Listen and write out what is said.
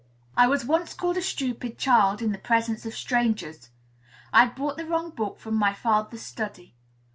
I was once called a "stupid child" in the presence of strangers. I had brought the wrong book from my father's study.